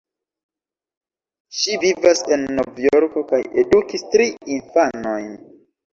Ŝi vivas en Novjorko kaj edukis tri infanojn.